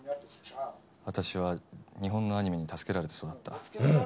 「私は日本のアニメに助けられて育った」。